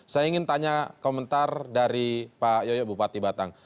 saya ingin tanya komentar dari pak yoyo bupati batang